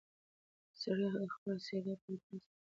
سړي د خپلې څېرې په بدلولو سره خپله جزا ولیده.